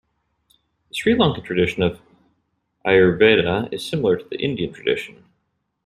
The Sri Lankan tradition of Ayurveda is similar to the Indian tradition.